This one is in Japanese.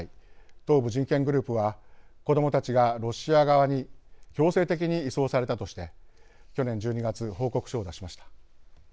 東部人権グループは子どもたちがロシア側に強制的に移送されたとして去年１２月、報告書を出しました。